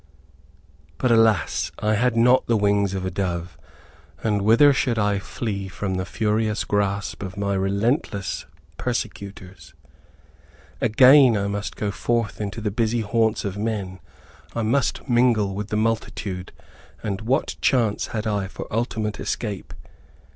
But alas! I had not the wings of a dove, and whither should I flee from the furious grasp of my relentless persecutors? Again I must go forth into the "busy haunts of men," I must mingle with the multitude, and what chance had I for ultimate escape?